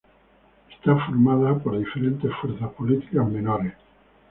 Está formada por diferentes fuerzas políticas menores.